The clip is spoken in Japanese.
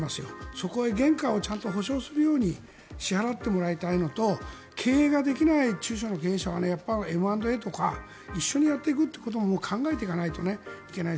そこへ原価をちゃんと保証するように支払ってもらいたいのと経営ができない中小の経営者はＭ＆Ａとか一緒にやっていくということも考えていかないといけない。